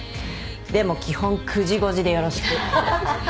でも基本９時５時でよろしく。